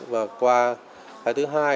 và qua cái thứ hai